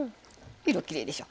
色きれいでしょう。